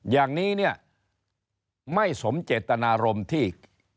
อย่างนี้เนี่ยไม่สมเจตนารมณ์ที่